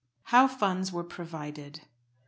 HOW FUNDS WERE PROVIDED. Mr.